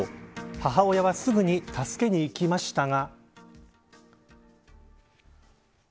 母親は、すぐに助けに行きましたが。